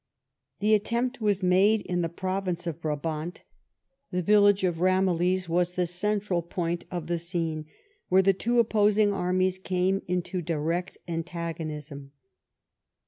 The attempt was made in the province of Brabant. The village of Ramillies was the central point of the scene where the two opposing armies came into direct antagonism.